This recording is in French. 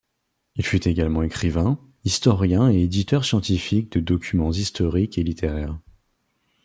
Il fut également écrivain, historien et éditeur scientifique de documents historiques et littéraires.